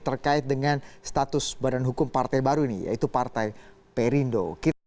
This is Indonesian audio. terkait dengan status badan hukum partai baru ini yaitu partai perindo